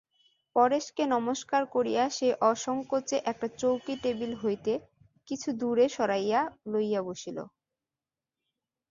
পরেশকে নমস্কার করিয়া সে অসংকোচে একটা চৌকি টেবিল হইতে কিছু দূরে সরাইয়া লইয়া বসিল।